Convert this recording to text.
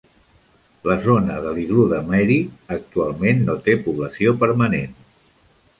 La zona de l'iglú de Mary actualment no té població permanent.